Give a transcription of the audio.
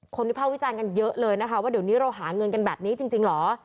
วิภาควิจารณ์กันเยอะเลยนะคะว่าเดี๋ยวนี้เราหาเงินกันแบบนี้จริงเหรอ